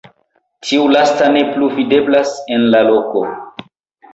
Tiu lasta ne plu videblas en la loko.